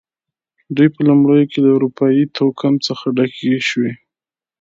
دوی په لومړیو کې له اروپايي توکم څخه ډکې شوې.